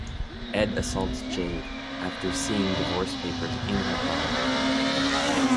Ed assaults Jade after seeing divorce papers in her car.